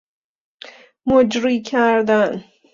مجری کردن